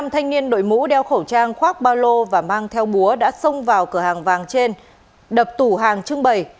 năm thanh niên đội mũ đeo khẩu trang khoác ba lô và mang theo búa đã xông vào cửa hàng vàng trên đập tủ hàng trưng bày